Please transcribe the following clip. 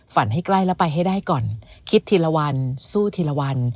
ให้ใกล้แล้วไปให้ได้ก่อนคิดทีละวันสู้ทีละวัน